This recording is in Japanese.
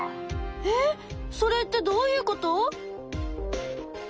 えっそれってどういうこと？